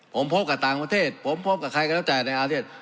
ผมพบกับต่างประเทศผมพบกับใครก็รักใจในอาเทศ